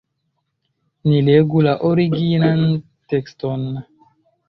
Ni legu la originan tekston.